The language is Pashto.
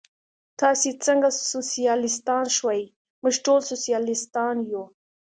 تاسې څنګه سوسیالیستان شوئ؟ موږ ټول سوسیالیستان یو.